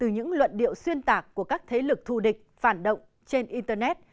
những luận điệu xuyên tạc của các thế lực thù địch phản động trên internet